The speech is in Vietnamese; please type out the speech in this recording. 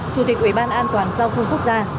chủ tịch ủy ban an toàn giao thông quốc gia